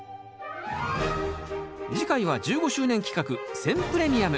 次回は１５周年企画選プレミアム。